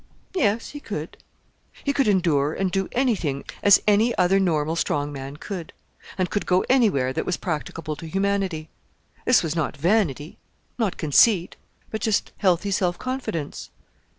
Yes, he could; he could endure and do anything as any other normal strong man could; and could go anywhere that was practicable to humanity. This was not vanity, not conceit, but just healthy self confidence.